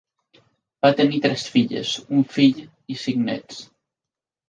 Va tenir tres filles, un fill i cinc nets.